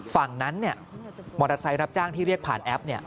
ฝั่งนั้นมอเตอร์ไซค์รับจ้างที่เรียกผ่านแอป